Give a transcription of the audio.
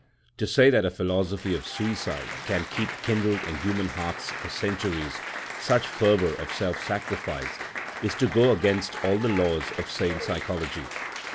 To say that a philosophy of suicide can keep kindled in human hearts for centuries such fervour of self sacrifice is to go against all the laws of sane psychology.